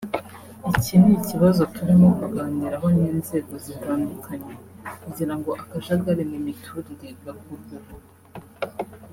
iki ni ikibazo turimo kuganiraho n’inzego zitandukanye kugira ngo akajagari mu miturire gakurweho